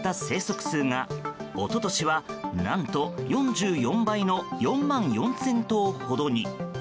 生息数が一昨年は何と４４倍の４万４０００頭ほどに。